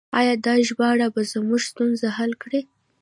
آیا دا ژباړه به زموږ ستونزې حل کړي؟